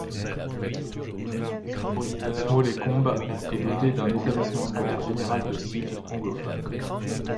Small Ekombe est doté d'un établissement scolaire général de cycle, anglophone.